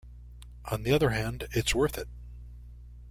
On the other hand, it's worth it.